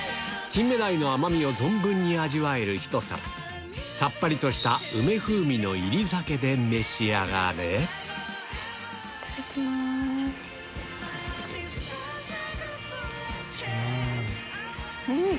金目鯛の甘みを存分に味わえるひと皿さっぱりとした梅風味の煎り酒で召し上がれいただきます。